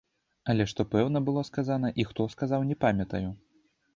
Але што пэўна было сказана і хто сказаў, не памятаю.